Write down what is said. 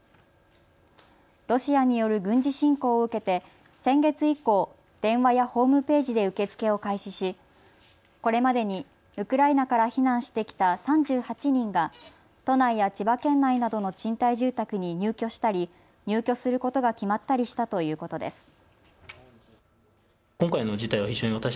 ロシアによる軍事侵攻を受けて先月以降、電話やホームページで受け付けを開始しこれまでにウクライナから避難してきた３８人が都内や千葉県内などの賃貸住宅に入居したり、入居することが決まったりしたということです。